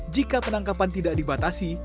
jika penangkapan tidak dibatasi